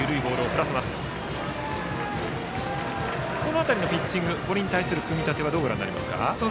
この辺りのピッチング堀に対する組み立てはどうご覧になりますか？